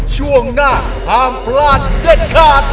ช่วงหน้าห้ามพลาดเด็ดขาด